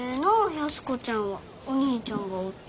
安子ちゃんはお兄ちゃんがおって。